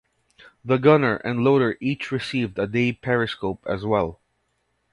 The gunner and loader each received a day periscope as well.